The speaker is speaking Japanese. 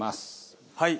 はい。